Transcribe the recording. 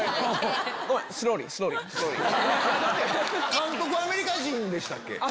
監督アメリカ人でしたっけ？